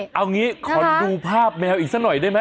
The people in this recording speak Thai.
เอางี้ขอดูภาพแมวอีกสักหน่อยได้ไหม